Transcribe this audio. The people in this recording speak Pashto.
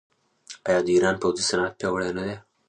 آیا د ایران پوځي صنعت پیاوړی نه دی؟